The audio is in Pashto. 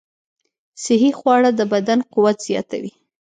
صحي خواړه د بدن قوت زیاتوي.